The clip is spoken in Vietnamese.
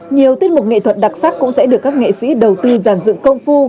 nhiều tiết mục nghệ thuật đặc sắc cũng sẽ được các nghệ sĩ đầu tư giàn dựng công phu